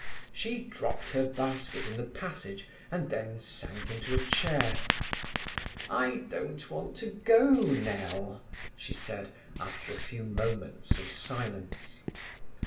She dropped her basket in the passage, and then sank into a chair. "I don't want to go, Nell," she said, after a few moments of silence.